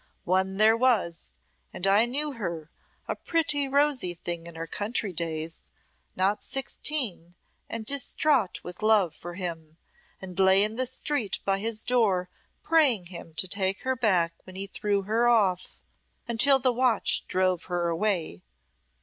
One there was, and I knew her, a pretty rosy thing in her country days, not sixteen, and distraught with love for him, and lay in the street by his door praying him to take her back when he threw her off, until the watch drove her away.